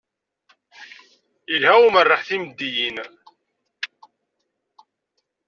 Ilha umerreḥ timeddiyin.